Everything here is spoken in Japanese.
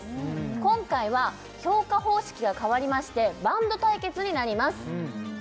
今回は評価方式が変わりましてバンド対決になります